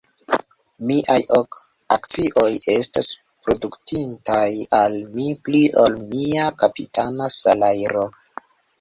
Miaj ok akcioj estos produktintaj al mi pli ol mia kapitana salajro.